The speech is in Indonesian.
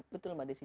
betul mbak desi